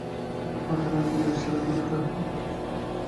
এবং হাতের আংগুলের ইশারায় বুঝাতে হত সবকিছু।